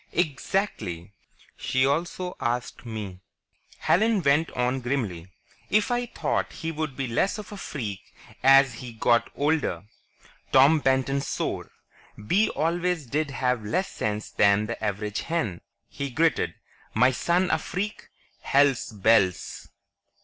"Exactly. She also asked me," Helen went on grimly, "if I thought he'd be less of a freak as he got older." Tom Benton swore. "Bee always did have less sense than the average hen," he gritted. "My son a freak! Hell's bells!"